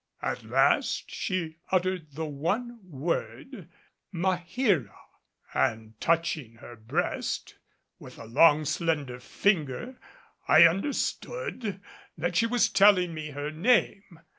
At last she uttered the one word, Maheera and, touching her breast with a long slender finger, I understood that she was telling me her name.